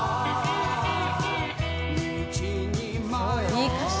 いい歌詞。